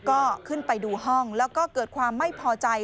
ก็ขึ้นไปดูห้องแล้วก็เกิดความไม่พอใจ